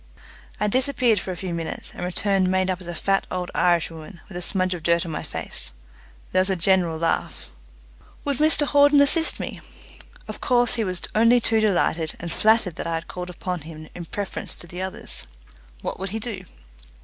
I disappeared for a few minutes, and returned made up as a fat old Irish woman, with a smudge of dirt on my face. There was a general laugh. Would Mr Hawden assist me? Of course he was only too delighted, and flattered that I had called upon him in preference to the others. What would he do?